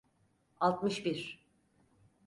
Altmış bir.